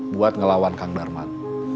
buat ngelawan kang darman